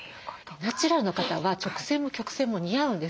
ナチュラルの方は直線も曲線も似合うんです。